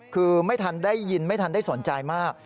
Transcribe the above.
คือไม่ทันได้ยินไม่ทันได้สนใจมาก